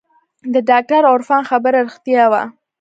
د ډاکتر عرفان خبره رښتيا وه.